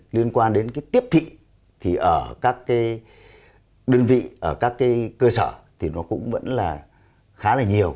liên quan đến tiếp thị ở các đơn vị ở các cơ sở thì nó cũng vẫn là khá là nhiều